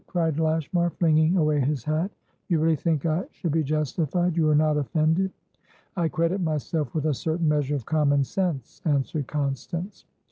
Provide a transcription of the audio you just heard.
cried Lashmar, flinging away his hat. "You really think I should be justified? You are not offended?" "I credit myself with a certain measure of common sense," answered Constance.